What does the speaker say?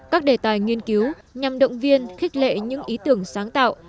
các đề tài nghiên cứu nhằm động viên khích lệ những ý tưởng sáng tạo